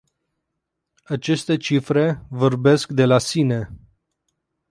Aceste cifre vorbesc de la sine.